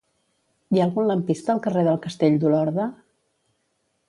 Hi ha algun lampista al carrer del Castell d'Olorda?